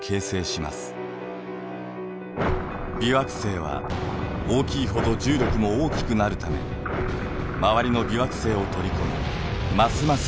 微惑星は大きいほど重力も大きくなるため周りの微惑星を取り込みますます